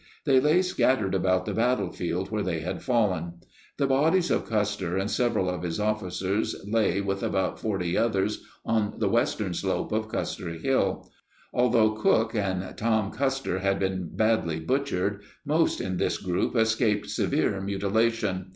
They lay scattered about the battlefield where they had fallen. The bodies of 72 Custer and several of his officers lay with about 40 others on the western slope of Custer Hill. Although Cooke and Tom Custer had been badly butchered, most in this group escaped severe mutilation.